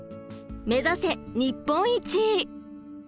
目指せ日本一！